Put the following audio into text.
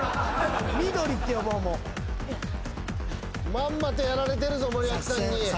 まんまとやられてるぞ森脇さんに。